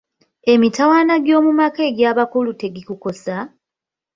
Emitawaana gy'omu maka egy'abakulu tegikukosa?